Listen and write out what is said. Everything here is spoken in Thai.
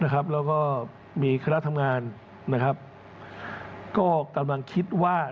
ก็ตามนั้นคิดว่า